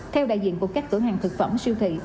theo đại diện của các cửa hàng thực phẩm siêu thị